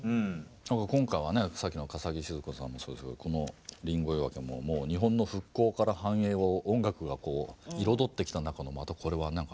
今回はさっきの笠置シヅ子さんもそうですけどこの「リンゴ追分」ももう日本の復興から繁栄を音楽がこう彩ってきた中のまたこれは何かね。